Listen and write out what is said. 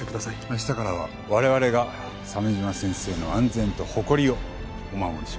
明日からは我々が鮫島先生の安全と誇りをお護りします。